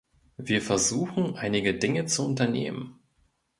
Wir versuchen, einige Dinge zu unternehmen.